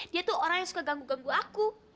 dia tuh orang yang suka ganggu ganggu aku